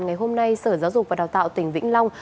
ngày hôm nay sở giáo dục và đào tạo tỉnh vĩnh long